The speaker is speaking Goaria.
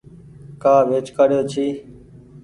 ڪآ ويچ ڪآڙيو ڇي۔